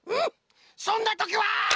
そんなときは！